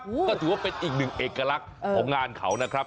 ก็ถือว่าเป็นอีกหนึ่งเอกลักษณ์ของงานเขานะครับ